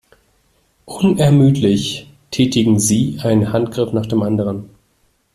Unermüdlich tätigen sie einen Handgriff nach dem anderen.